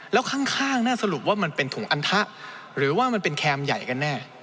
แล้วข้างน่าสรุปว่ามันเป็นถุงอันทะหรือว่ามันเป็นแคมใหญ่กันแน่